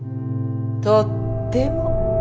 とっても。